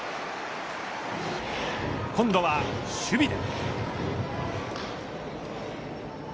今度は守備で。